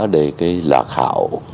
để cái lạc hạo